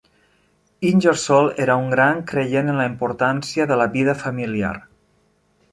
Ingersoll era un gran creient en la importància de la vida familiar.